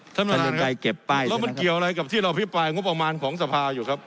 ท่านประธานเรืองไกรเก็บไปแล้วมันเกี่ยวอะไรกับที่เราอภิปรายงบประมาณของสภาอยู่ครับ